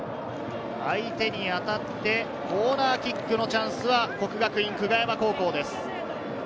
相手に当たってコーナーキックのチャンスは國學院久我山高校です。